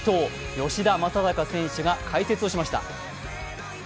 吉田正尚選手が解説しました。